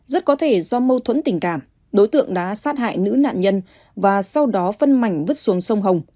rất có thể do mâu thuẫn tình cảm đối tượng đã sát hại nữ nạn nhân và sau đó phân mảnh vứt xuống sông hồng